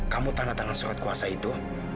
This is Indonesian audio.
kamu tanda tangan surat kuasa itu